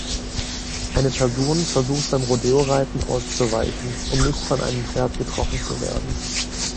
Eine Person versucht beim Rodeoreiten auszuweichen, um nicht von einem Pferd getroffen zu werden.